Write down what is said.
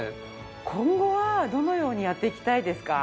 今後はどのようにやっていきたいですか？